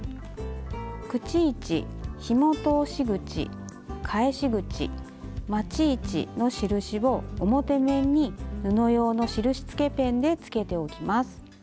口位置ひも通し口返し口まち位置の印を表面に布用の印つけペンでつけておきます。